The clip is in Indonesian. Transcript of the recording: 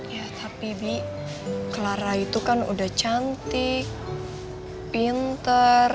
ya tapi bi clara itu kan udah cantik pinter